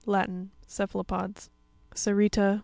—Latin. Cephalopods. Cr'RITA.